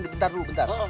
nih bentar dulu bentar